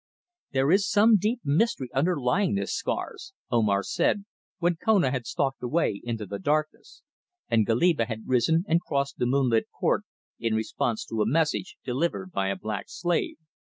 "There is some deep mystery underlying this, Scars," Omar said, when Kona had stalked away into the darkness, and Goliba had risen and crossed the moon lit court in response to a message delivered by a black slave.